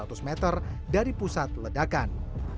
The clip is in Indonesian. dan juga seratus meter dari pusat ledakan